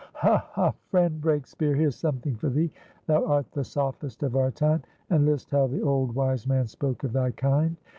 "Ha, ha, friend Breakspeare, here's something for thee! Thou art the Sophist of our time, and list how the old wise man spoke of thy kind.